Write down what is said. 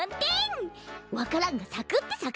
わか蘭がさくってさくせんね。